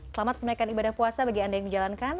selamat menaikkan ibadah puasa bagi anda yang menjalankan